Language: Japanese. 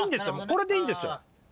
これでいいんですよ。